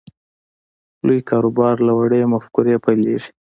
لوی کاروبار له وړې مفکورې پیلېږي